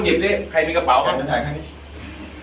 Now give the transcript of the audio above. ถ่ายไว้ถ่ายไว้